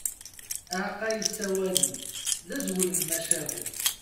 Aεeqqa yessawalen, d azwel n tmacahut.